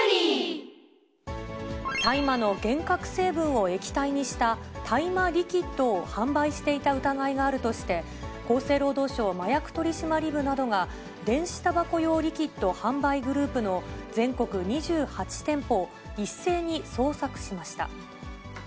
大麻の幻覚成分を液体にした大麻リキッドを販売していた疑いがあるとして、厚生労働省麻薬取締部などが、電子たばこ用リキッド販売グループの全国２８店舗を一斉に捜索しました。